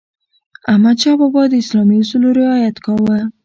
احمدشاه بابا د اسلامي اصولو رعایت کاوه.